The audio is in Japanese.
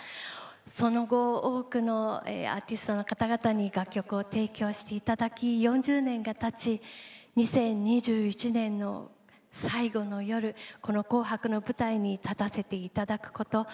その後、多くのアーティストの方々に楽曲を提供していただき４０年がたち２０２１年の最後の夜この紅白の舞台に立たせていただくこと